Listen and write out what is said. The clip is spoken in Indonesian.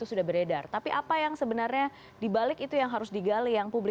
fara berhentikan belum bisa titik kyosho susu organisasi